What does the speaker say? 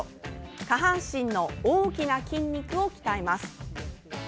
下半身の大きな筋肉を鍛えます。